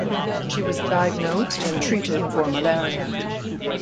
She was diagnosed and treated for malaria.